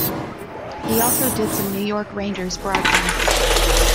He also did some New York Rangers broadcasts.